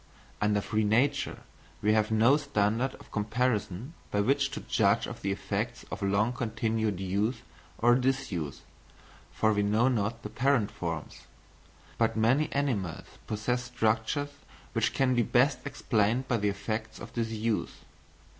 Under free nature we have no standard of comparison by which to judge of the effects of long continued use or disuse, for we know not the parent forms; but many animals possess structures which can be best explained by the effects of disuse.